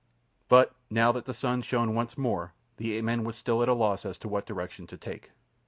But now that the sun shone once more, the ape man was still at a loss as to what direction to take.